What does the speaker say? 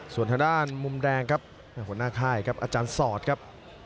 ส่วนทางด้านมุมแดงครับหัวหน้าค้ายอศอรษรครับ